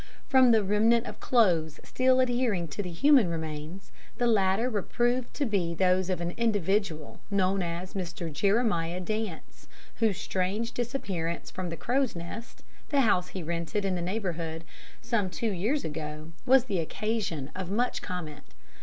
From the remnant of clothes still adhering to the human remains, the latter were proved to be those of an individual known as Mr. Jeremiah Dance, whose strange disappearance from the Crow's Nest the house he rented in the neighbourhood some two years ago, was the occasion of much comment.